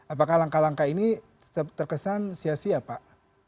apakah langkah langkah ini terkesan sia sia pak